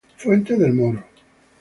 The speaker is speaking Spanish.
Fuente del Moro